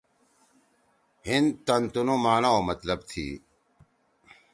ہیِن تن تُنو معنی او مطلب تھی۔